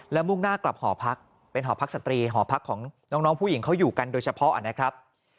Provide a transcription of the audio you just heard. มุ่งหน้ากลับหอพักเป็นหอพักสตรีหอพักของน้องผู้หญิงเขาอยู่กันโดยเฉพาะนะครับ